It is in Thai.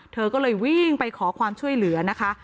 เธอก็เลยวิ่งไปขอความช่วยเหลือนะคะ